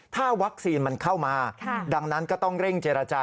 ถ้าวัคซีนมันเข้ามาดังนั้นก็ต้องเร่งเจรจา